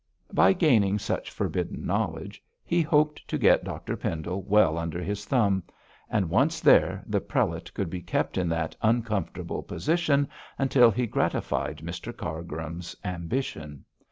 By gaining such forbidden knowledge he hoped to get Dr Pendle well under his thumb; and once there the prelate could be kept in that uncomfortable position until he gratified Mr Cargrim's ambition.